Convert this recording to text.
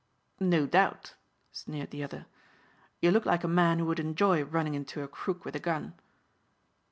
"No doubt," sneered the other, "you look like a man who would enjoy running into a crook with a gun."